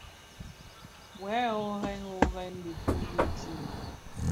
Wè wuorèn wuorèn dhi dikuu ditsem.